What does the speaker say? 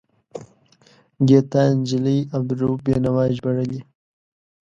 ګیتا نجلي عبدالرؤف بینوا ژباړلی.